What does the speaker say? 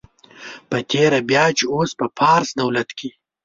په تېره بیا چې اوس په فارس دولت کې.